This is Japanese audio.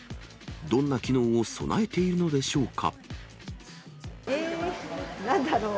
どんな機能を備えているのでしょえー、なんだろう。